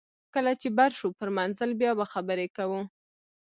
کله چې بر شو پر منزل بیا به خبرې کوو